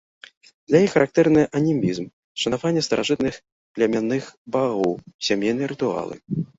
Для іх характэрны анімізм, шанаванне старажытных племянных багоў, сямейныя рытуалы.